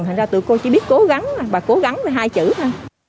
thành ra tụi cô chỉ biết cố gắng và cố gắng với hai chữ thôi